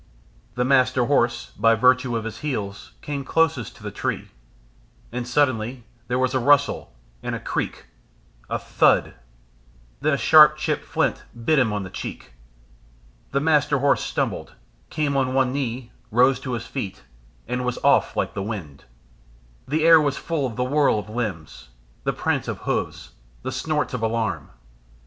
The Master Horse, by virtue of his heels, came closest to the tree. And suddenly there was a rustle and a creak, a thud.... Then a sharp chipped flint bit him on the cheek. The Master Horse stumbled, came on one knee, rose to his feet, and was off like the wind. The air was full of the whirl of limbs, the prance of hoofs, and snorts of alarm.